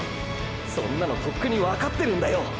そんなのとっくにわかってるんだよ！！